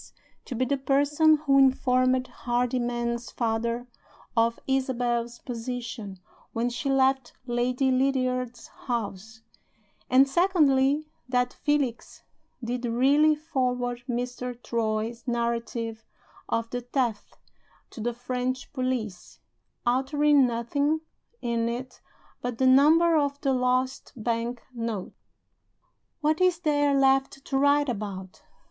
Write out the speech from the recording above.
to be the person who informed Hardyman's father of Isabel's position when she left Lady Lydiard's house; and (secondly) that Felix did really forward Mr. Troy's narrative of the theft to the French police, altering nothing in it but the number of the lost bank note. What is there left to write about?